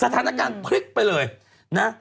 สถานการณ์พลิกไปเลยนะ